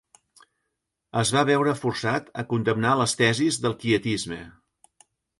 Es va veure forçat a condemnar les tesis del quietisme.